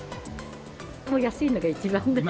もう安いのが一番。